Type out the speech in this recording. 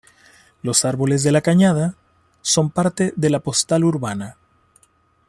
Los árboles de La Cañada son parte de la postal urbana.